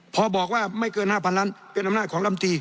พอบอกว่าไม่เกิน๕๐๐ล้านเป็นอำนาจของลำตี